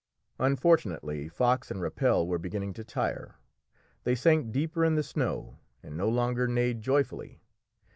Unfortunately Fox and Rappel were beginning to tire; they sank deeper in the snow and no longer neighed joyfully.